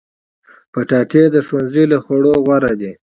کچالو د ښوونځي له خوړو غوره دي